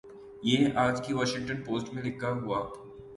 یہ آج کی واشنگٹن پوسٹ میں لکھا ہوا ۔